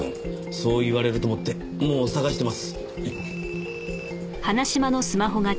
そう言われると思ってもう探してます。